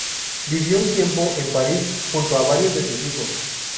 Vivió un tiempo en París junto a varios de sus hijos.